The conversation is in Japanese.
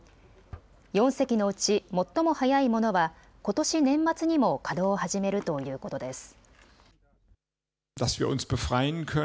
４隻のうち最も早いものはことし年末にも稼働を始めるということです。